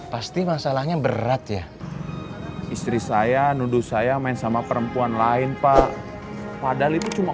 pasti masalahnya berat ya istri saya nundu saya main sama perempuan lain pak padahal itu cuma